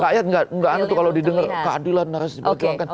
rakyat gak ada tuh kalau didengar keadilan harus diperjuangkan